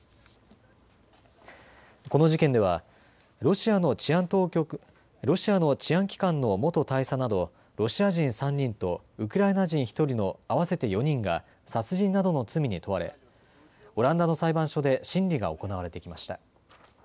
この事件ではロシアの治安機関の元大佐などロシア人３人とウクライナ人１人の合わせて４人が殺人などの罪に問われ、オランダの裁判所で審理が行われてきました。